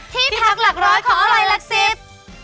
ที่พักหลักร้อยของอร่อยหลักสิบ